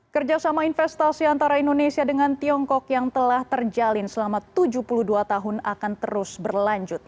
kerjasama investasi antara indonesia dengan tiongkok yang telah terjalin selama tujuh puluh dua tahun akan terus berlanjut